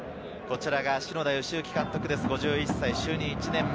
篠田善之監督、５１歳、就任１年目。